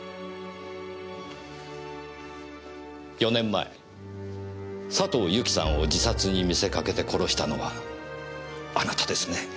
４年前佐藤由紀さんを自殺に見せかけて殺したのはあなたですね。